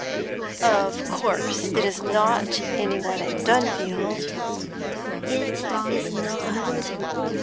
'Of course it is not any one in Dunfield?' 'It is not.'